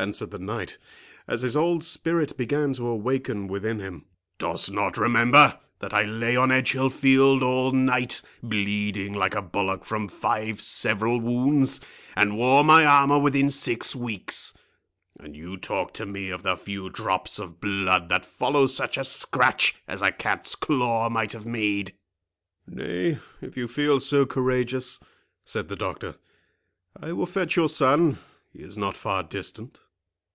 answered the knight, as his old spirit began to awaken within him.—"Dost not remember, that I lay on Edgehill field all night, bleeding like a bullock from five several wounds, and wore my armour within six weeks? and you talk to me of the few drops of blood that follow such a scratch as a cat's claw might have made!" "Nay, if you feel so courageous," said the doctor, "I will fetch your son—he is not far distant."